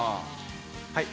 はい。